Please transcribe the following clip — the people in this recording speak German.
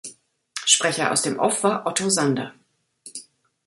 Sprecher aus dem Off war Otto Sander.